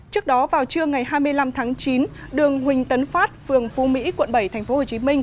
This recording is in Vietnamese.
trước đó vào trưa ngày hai mươi năm tháng chín đường huỳnh tấn phát phường phu mỹ quận bảy tp hcm